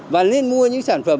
và nên mua những sản phẩm